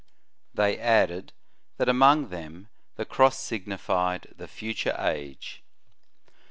They added, that among them the cross signified the future age.